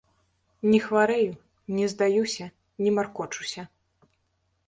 Не хварэю, не здаюся, не маркочуся.